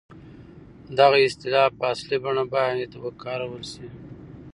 دغه اصطلاح په اصلي بڼه بايد وکارول شي.